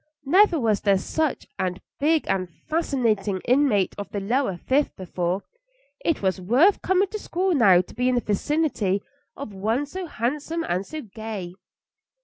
Never was there such and big and fascinating inmate of the lower fifth before. It was worth coming to school now to be in the vicinity of one so handsome and so gay.